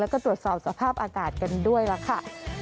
แล้วก็ตรวจสอบสภาพอากาศกันด้วยล่ะค่ะ